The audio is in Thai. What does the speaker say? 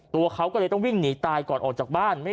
ตัวเขาก็เลยต้องวิ่งหนีตายก่อนออกจากบ้าน